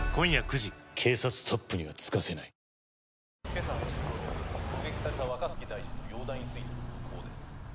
「今朝８時頃狙撃された若槻大臣の容体についての続報です」